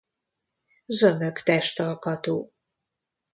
Zömök testalkatú.